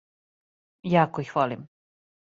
Јако их волим.